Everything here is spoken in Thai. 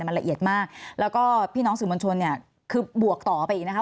มันละเอียดมากแล้วก็พี่น้องสื่อมวลชนเนี่ยคือบวกต่อไปอีกนะคะ